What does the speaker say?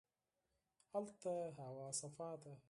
هلته هوا پاکه ده